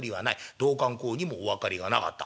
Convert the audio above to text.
道灌公にもお分かりがなかった。